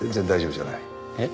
えっ？